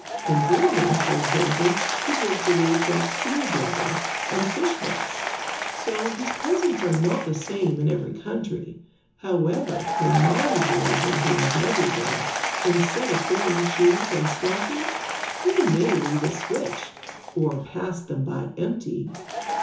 In Greenland, for example, he gives the little folks seal blubber, and fish hooks. So his presents are not the same in every country. However, for naughty boys and girls everywhere, instead of filling shoes and stockings, he may leave a switch, or pass them by empty.